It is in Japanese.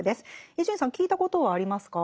伊集院さん聞いたことはありますか？